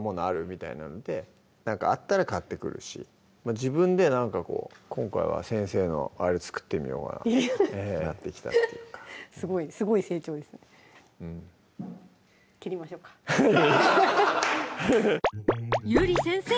みたいなので何かあったら買ってくるし自分でなんかこう今回は先生のあれ作ってみようかってなってきたっていうかすごい成長ですねうん切りましょうかゆり先生！